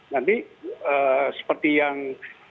nanti seperti yang